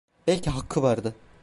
Belki hakkı vardı.